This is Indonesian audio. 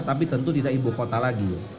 tapi tentu tidak ibu kota lagi